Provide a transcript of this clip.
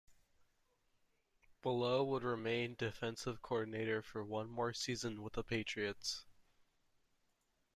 Bullough would remain defensive coordinator for one more season with the Patriots.